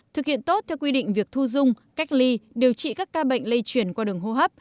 thực hiện tốt theo quy định việc thu dung cách ly điều trị các ca bệnh lây chuyển qua đường hô hấp